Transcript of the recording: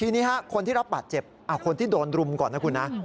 ทีนี้คนที่รับบาดเจ็บคนที่โดนรุมก่อนนะคุณนะ